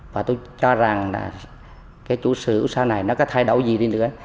và tôi cho rằng là cái chủ sở sau này nó có thay đổi gì đi nữa